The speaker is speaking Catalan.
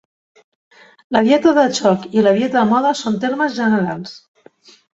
La dieta de xoc i la dieta de moda són termes generals.